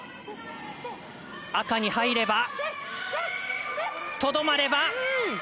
赤に入れば、とどまれば。